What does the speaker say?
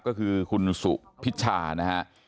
ก็คือคุณสุพิชานะฮะ